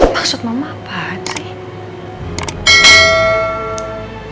maksud mama apaan sih